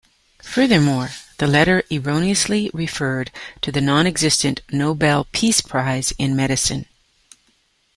Furthermore, the letter erroneously referred to the nonexistent "Nobel Peace Prize In Medicine.